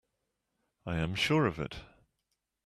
I am sure of it.